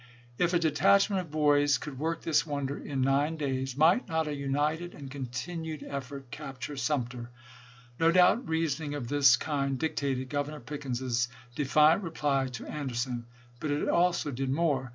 If a detachment of boys could work this wonder in nine days, might not a united and continued effort capture Sumter 1 No doubt reasoning of this kind dictated Governor Pickens's defiant reply to An derson; but it also did more.